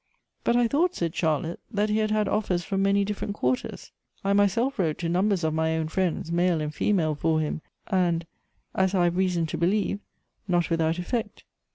" But I thought," said Charlotte, "that he hai had offers from many different quarters. I myself wrote to numbers of my own friends, male and female, for him ; and, as I have reason to believe, not without effect."